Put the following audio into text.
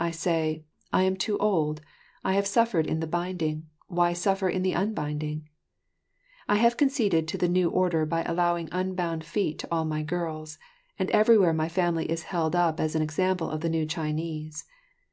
I say, "I am too old; I have suffered in the binding, why suffer in the unbinding?" I have conceded to the new order by allowing unbound feet to all my girls, and everywhere my family is held up as an example of the new Chinese.